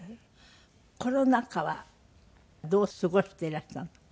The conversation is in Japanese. コロナ禍はどう過ごしていらしたの？